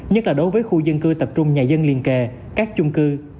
nhất là đối với khu dân cư tập trung nhà dân liền kề các chung cư